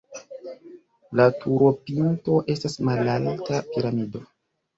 La turopinto estas malalta piramido.